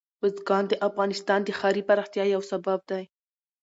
بزګان د افغانستان د ښاري پراختیا یو سبب دی.